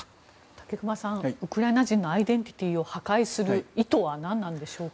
武隈さん、ウクライナ人のアイデンティティーを破壊する意図は何なんでしょうか。